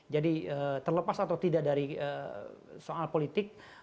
jadi terlepas atau tidak dari soal politik